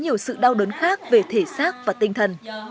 nhiều sự đau đớn khác về thể xác và tinh thần